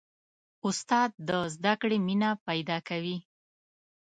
استاد د زده کړې مینه پیدا کوي.